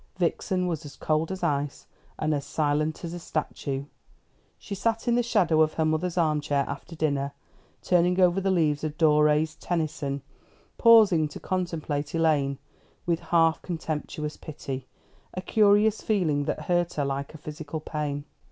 Vixen was as cold as ice, and as silent as a statue. She sat in the shadow of her mother's arm chair after dinner, turning over the leaves of Doré's "Tennyson," pausing to contemplate Elaine with a half contemptuous pity a curious feeling that hurt her like a physical pain.